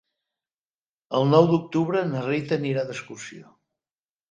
El nou d'octubre na Rita anirà d'excursió.